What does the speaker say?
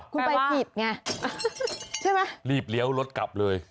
คุณไปผิดไงรีบเลี้ยวรถกลับเลย